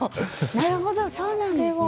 なるほどそうなんですね。